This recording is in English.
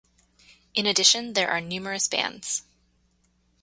In addition, there are numerous bands.